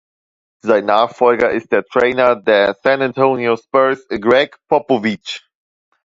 Sein Nachfolger ist der Trainer der San Antonio Spurs, Gregg Popovich.